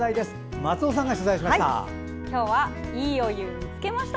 松尾さんが取材しました。